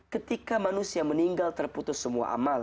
ketika manusia meninggal terputus semua amal